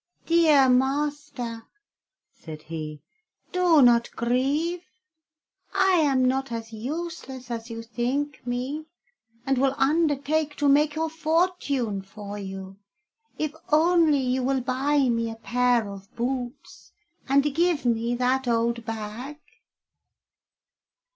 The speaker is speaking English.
"Dear master," said he, "do not grieve. I am not as useless as you think me, and will undertake to make your fortune for you, if only you will buy me a pair of boots, and give me that old bag."